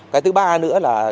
cái thứ ba nữa là